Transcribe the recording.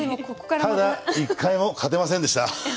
ただ１回も勝てませんでした。